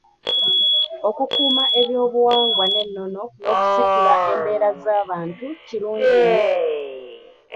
Okukuuma ebyobuwangwa n’ennono n'okusitula embeera z’abantu kirungi nnyo.